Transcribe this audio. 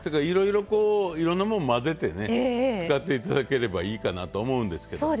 いろんなものを混ぜて使っていただければいいかなと思うんですけど。